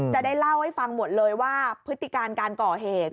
จะได้เล่าให้ฟังหมดเลยว่าพฤติการการก่อเหตุ